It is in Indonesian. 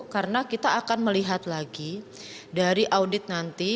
karena kita akan melihat lagi dari audit nanti